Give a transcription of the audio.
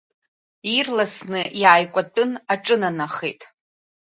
Ирласны иааикәаҭәын, аҿынанахеит.